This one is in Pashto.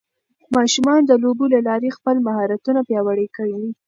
ماشومان د لوبو له لارې خپل مهارتونه پیاوړي کوي.